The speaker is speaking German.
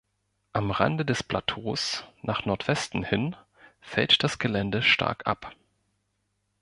Am Rande des Plateaus, nach Nordwesten hin, fällt das Gelände stark ab.